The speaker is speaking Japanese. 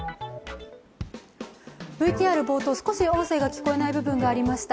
ＶＴＲ冒頭、少し音声が聞こえない部分がありました。